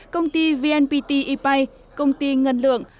công ty vnpt e pay công ty ngân lượng